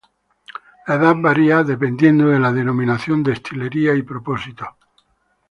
La edad varía dependiendo de la denominación, destilería y propósito.